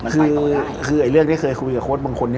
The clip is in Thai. กับตาราที่มีก็ไปต่อได้